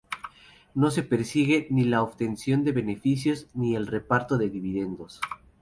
No se persigue ni la obtención de beneficios ni el reparto de dividendos.